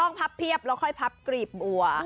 พับเพียบแล้วค่อยพับกรีบบัว